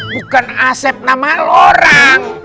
bukan asep nama lo orang